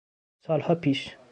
سالها پیش